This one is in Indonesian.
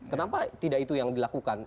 kenapa tidak itu yang dilakukan